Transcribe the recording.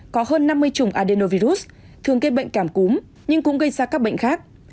có hơn năm mươi chủng adenovirus thường gây bệnh cảm cúm nhưng cũng gây ra các bệnh khác